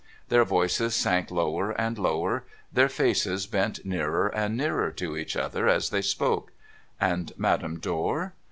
Their voices sank lower and lower ; their faces bent nearer and nearer to each other as they spoke. And Madame Dor